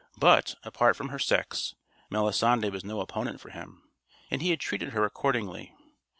But, apart from her sex, Melisande was no opponent for him. And he had treated her accordingly.